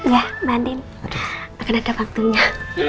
ya mbak andin akan ada waktunya